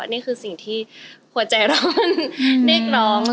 นี่คือสิ่งที่หัวใจร้อนเนกร้องอะไรอย่างนี้